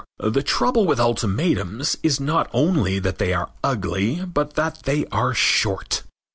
The trouble with ultimatums is not only that they are ugly but that they are short.